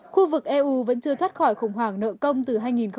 khu vực eu vẫn chưa thoát khỏi khủng hoảng nợ công từ hai nghìn một mươi